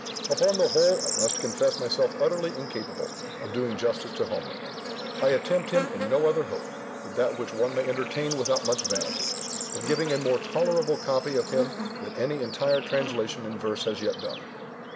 Upon the whole, I must confess myself utterly incapable of doing justice to Homer. I attempt him in no other hope but that which one may entertain without much vanity, of giving a more tolerable copy of him than any entire translation in verse has yet done.